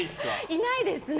いないですね。